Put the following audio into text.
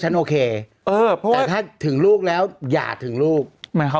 ฉันโอเคเออเพราะว่าแต่ถึงลูกแล้วอย่าถึงลูกหมายความ